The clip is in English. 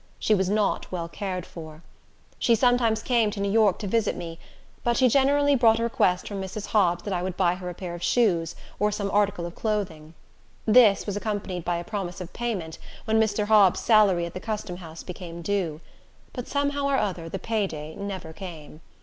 She was not well cared for. She sometimes came to New York to visit me; but she generally brought a request from Mrs. Hobbs that I would buy her a pair of shoes, or some article of clothing. This was accompanied by a promise of payment when Mr. Hobbs's salary at the Custom House became due; but some how or other the pay day never came.